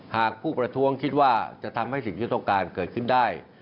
หากผู้ประท้วงคิดว่าจะทำให้สิ่งที่ต้องการเกิดขึ้นได้